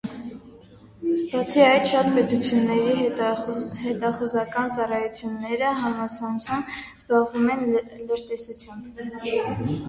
Բացի այդ, շատ պետությունների հետախուզական ծառայություները համացանցում զբաղվում են լրտեսությամբ։